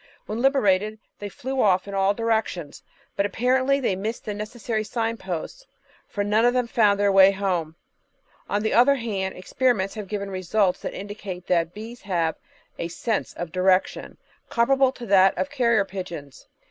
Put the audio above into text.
When liberated they flew off in all directions, but apparently they missed the necessary signposts, for none of them found their way home. On the other hand, experiments have given results that indicate that bees have a "sense of direction," comparable to that of carrier pigeons.